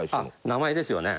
名前ですよね？